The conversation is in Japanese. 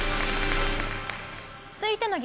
続いての激